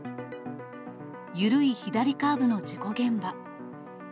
緩い左カーブの事故現場。